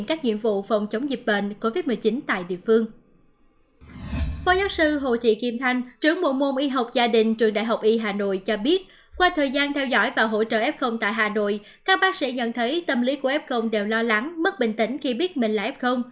các bác sĩ nhận thấy tâm lý của f đều lo lắng mất bình tĩnh khi biết mình là f